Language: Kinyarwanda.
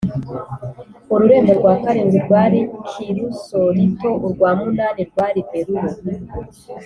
Ururembo rwa karindwi rwari kirusolito, urwa munani rwari berulo